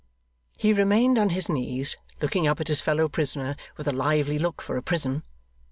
He remained on his knees, looking up at his fellow prisoner with a lively look for a prison.